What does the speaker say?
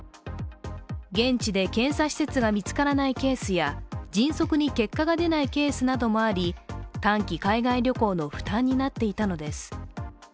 現地で検査施設が見つからないケースや迅速に結果が出ないケースなどもあり短期海外旅行の負担になっていたのです。